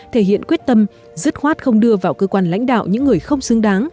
thể hiện quyết tâm dứt khoát không đưa vào cơ quan lãnh đạo những người không xứng đáng